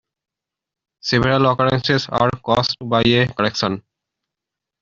Several occurrences are caused by a correction.